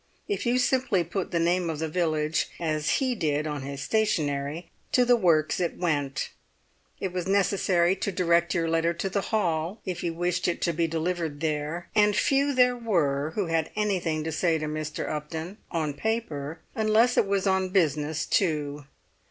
If you simply put the name of the village, as he did on his stationery, to the works it went; it was necessary to direct your letter to the hall if you wished it to be delivered there; and few there were who had anything to say to Mr. Upton, on paper, unless it was on business too.